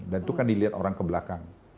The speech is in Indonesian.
dan itu kan dilihat orang kebelakang